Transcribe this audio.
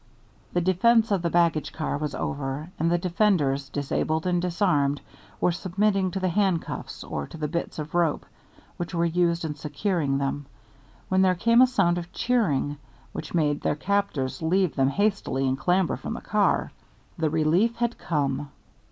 The defence of the baggage car was over, and the defenders, disabled and disarmed, were submitting to the handcuffs or to the bits of rope which were used in securing them, when there came a sound of cheering, which made their captors leave them hastily and clamber from the car. The relief had come.